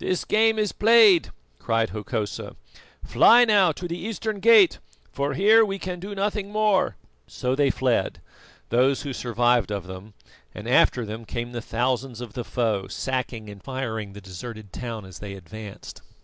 "This game is played!" cried Hokosa. "Fly now to the eastern gate, for here we can do nothing more." So they fled, those who survived of them, and after them came the thousands of the foe, sacking and firing the deserted town as they advanced.